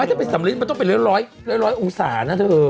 ไม่ถ้าเป็นสำริดจะเป็นล้อยองศานะเธอ